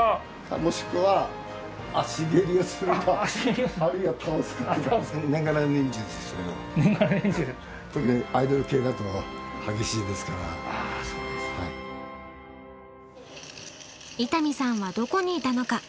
もしくは伊丹さんはどこにいたのか？